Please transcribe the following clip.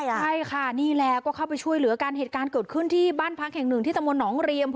ใช่ค่ะนี่แหละก็เข้าไปช่วยเหลือกันเหตุการณ์เกิดขึ้นที่บ้านพักแห่งหนึ่งที่ตะมนตหนองเรียม